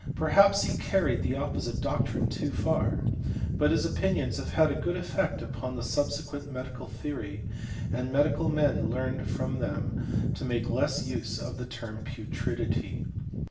Perhaps he carried tfafl posite doctrine too far ; but his opinions have n good effect upon subsequent medical theory, aa« dical men learned from them to make less use of term putridity.